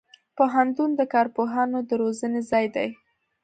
پوهنتون د کارپوهانو د روزنې ځای دی.